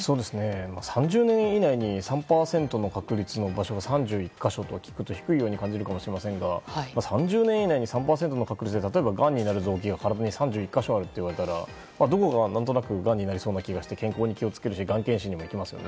３０年以内に３％の確率の場所が３１か所と聞くと低いように感じるかもしれませんが３０年以内に３％の確率で例えば、がんになる臓器が３１か所あると言われたら何となく、がんになりそうで健康に気を付けてがん検診にも行きますよね。